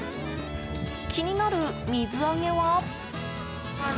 気になる水揚げは。